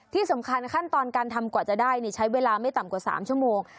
ที่สำคัญขั้นตอนการทำกว่าจะได้ใช้เวลาไม่ต่ำกว่า๓ชั่วโมง